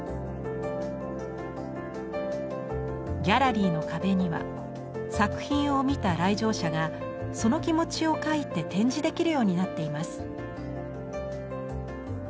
ギャラリーの壁には作品を見た来場者がその気持ちを描いて展示できるようになっています。